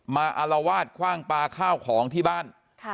อารวาสคว่างปลาข้าวของที่บ้าน